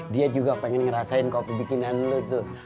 dia juga pengen ngerasain kopi bikinan lo tuh